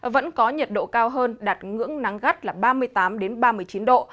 vẫn có nhiệt độ cao hơn đạt ngưỡng nắng gắt là ba mươi tám ba mươi chín độ